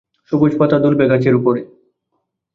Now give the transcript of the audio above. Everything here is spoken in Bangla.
সবুজ পাতা দুলবে গাছের উপরে।